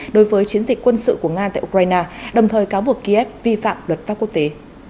đối với chiến dịch quân sự của nga tại ukraine đồng thời cáo buộc kiev vi phạm luật pháp quốc tế